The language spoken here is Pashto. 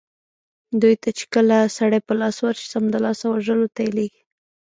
دوی ته چې کله سړي په لاس ورسي سمدلاسه یې وژلو ته لېږي.